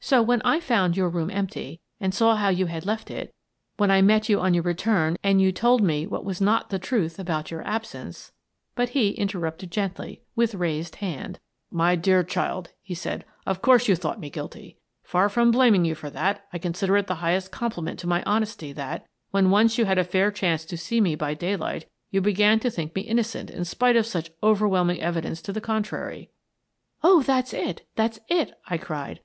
So when I found your room empty arid saw how you had left it; when I met you on your return and you told me what was not the truth about your absence —" But he interrupted gently, with raised hand. 160 Miss Frances Baird, Detective " My dear child," he said, " of course you thought me guilty. Far from blaming you for that, I consider it the highest compliment to my honesty that, when once you had a fair chance to see me by daylight, you began to think me innocent in spite of such overwhelming evidence to the contrary." "Oh, that's it! That's it!" I cried.